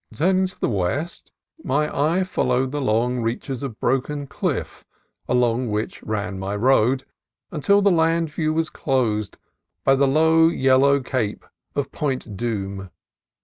Turning to the west, my eye followed the long reaches of broken cliff along which ran my road, until the land view was closed by the low yellow cape of Point Dume.